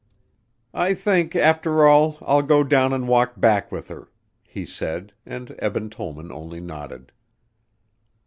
"I think, after all, I'll go down and walk back with her," he said and Eben Tollman only nodded.